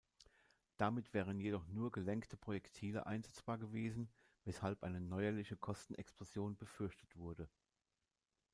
Damit wären jedoch nur gelenkte Projektile einsetzbar gewesen, weshalb eine neuerliche Kostenexplosion befürchtet wurde.